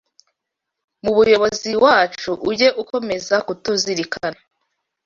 mubuyobozi wacu uge ukomezakutuzirikana